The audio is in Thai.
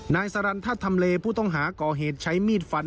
นายสรรทัศน์ทำเลผู้ต้องหาก่อเหตุใช้มีดฟัน